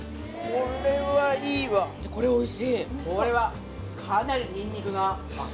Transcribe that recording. これはいいわこれおいしいこれはあっ